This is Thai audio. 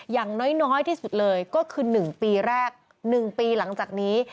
อย่างน้อยที่สุดเลยก็คือ๑ปีแรก๑ปีหลังจากนี้